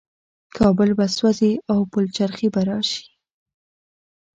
کابل به سوځي او پلچرخي به راشي.